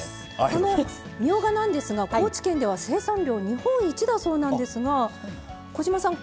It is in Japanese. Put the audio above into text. このみょうがなんですが高知県では生産量日本一だそうなんですが小島さん